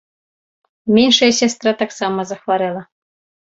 Меншая сястра таксама захварэла.